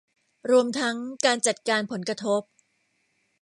รวมทั้งการจัดการผลกระทบ